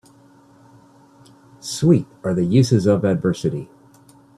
Sweet are the uses of adversity